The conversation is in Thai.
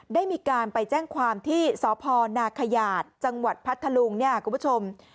ได้มีการไปแจ้งความที่สพนาขยาดจังหวัดพัทธลุงเนี่ยคุณผู้ชม